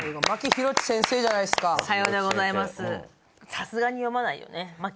さすがに読まないよね？